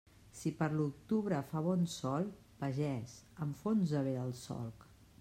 Si per l'octubre fa bon sol, pagès, enfonsa bé el solc.